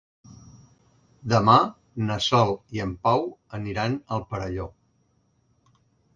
Demà na Sol i en Pau aniran al Perelló.